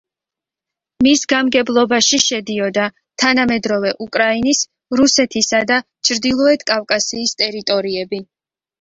მის გამგებლობაში შედიოდა თანამედროვე უკრაინის, რუსეთისა და ჩრდილოეთ კავკასიის ტერიტორიები.